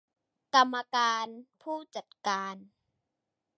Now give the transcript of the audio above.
กรรมการผู้จัดการ